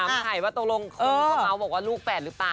สถานไปไหว้ตกลงเค้ามาบอกว่าลูกแฝดรึเปล่า